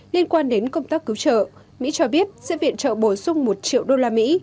liên quan đến công tác cứu trợ mỹ cho biết sẽ viện trợ bổ sung một triệu đô la mỹ